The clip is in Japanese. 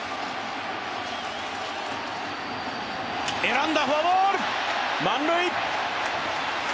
選んだ、フォアボール、満塁。